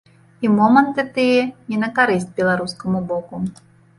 І моманты тыя не на карысць беларускаму боку.